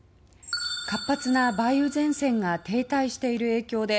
活発な梅雨前線が停滞している影響で